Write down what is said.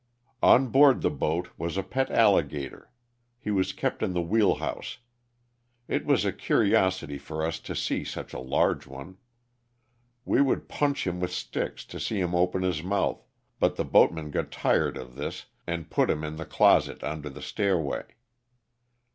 On board the boat was a pet alligator. He was kept in the wheel house. It was a curiosity for us to see such a large one. We would punch him with sticks to see him open his mouth, but the boatmen got tired of this and put him in the closet under the stairway.